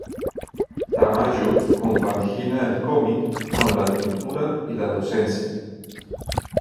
Tamayo compagina el cómic con la pintura y la docencia.